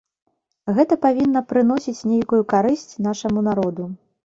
Гэта павінна прыносіць нейкую карысць нашаму народу.